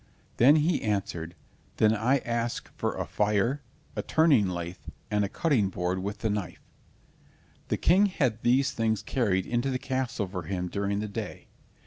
Then he answered, "Then I ask for a fire, a turning lathe, and a cutting board with the knife." The King had these things carried into the castle for him during the day.